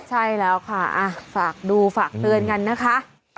ใช่แล้วค่ะฝากดูฝากเตือนกันนะคะ